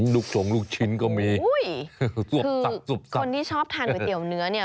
ส่งลูกชิ้นก็มีอุ้ยคนที่ชอบทานก๋วยเตี๋ยวเนื้อเนี่ย